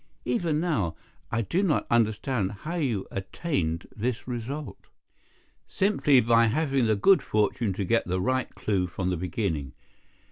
Even now I do not understand how you attained this result." "Simply by having the good fortune to get the right clue from the beginning.